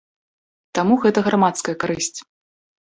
Таму гэта грамадская карысць.